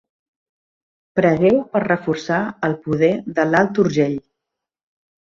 Pregueu per reforçar el poder de l'Alt Urgell.